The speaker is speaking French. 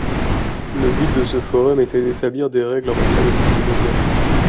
Le but de ce forum était d’établir des règles en matière de multimédia.